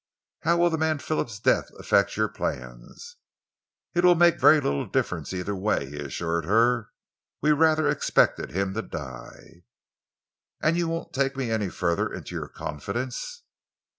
"How will the man Phillips' death affect your plans?" "It will make very little difference either way," he assured her. "We rather expected him to die." "And you won't take me any further into your confidence?"